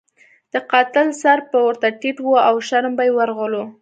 د قاتل سر به ورته ټیټ وو او شرم به یې ورغلو.